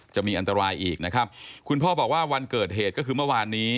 จะมีอันตรายอีกนะครับคุณพ่อบอกว่าวันเกิดเหตุก็คือเมื่อวานนี้